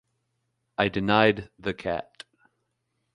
I denied the cat.